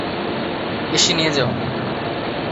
এসে নিয়ে যাও।